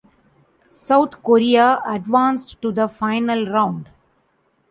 "South Korea" advanced to the Final Round.